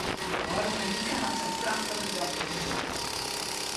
Ofrûne wike hat se in prachtige dochter krigen.